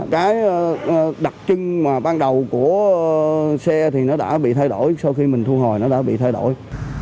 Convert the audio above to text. cái đặc trưng mà ban đầu của xe thì nó đã bị thay đổi sau khi mình thu hồi nó đã bị thay đổi